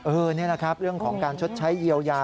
นี่แหละครับเรื่องของการชดใช้เยียวยา